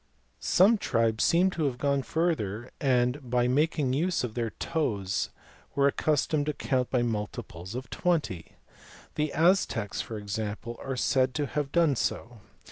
Some tribes seem to have gone further and by making use of their toes were accustomed to count by multiples of twenty. The Aztecs, for example, are said to have done so.